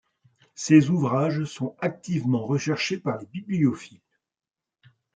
Ces ouvrages sont activement recherchés par les bibliophiles.